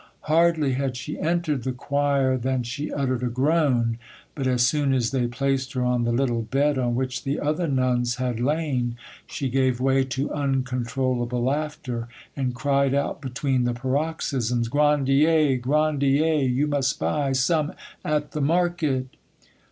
Hardly had she entered the choir than she uttered a groan, but as soon as they placed her on the little bed on which the other nuns had lain, she gave way to uncontrollable laughter, and cried out between the paroxysms— "Grandier, Grandier, you must buy some at the market."